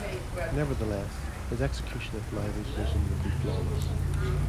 Nevertheless, his execution of Lowry's vision would be flawless.